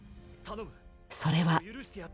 それは。